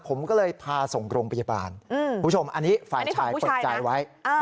ผมก็เลยพาส่งโรงพยาบาลคุณผู้ชมอันนี้ฝ่ายชายเปิดใจไว้